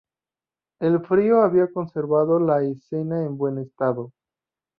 El frío había conservado la escena en buen estado.